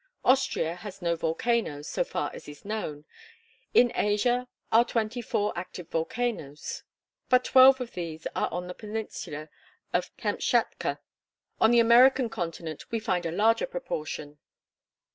Austria has no volcanoes, so far as is known. In Asia are twenty four active volcanoes; but twelve of these are on the peninsula of Kamtschatka. On the American continent we find a larger proportion.